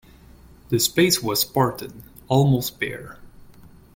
The space was spartan, almost bare.